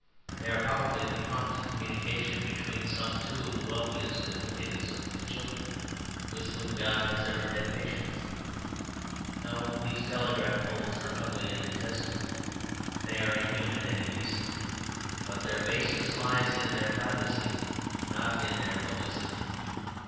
They are probably the prompt communication between some two of the wealthiest and wickedest of His children with whom God has ever had patience. No; these telegraph poles are ugly and detestable, they are inhuman and indecent. But their baseness lies in their privacy, not in their publicity.